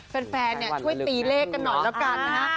แฟนช่วยตีเลขกันหน่อยแล้วกันนะฮะ